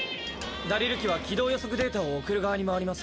ダリル機は軌道予測データを送る側に回ります。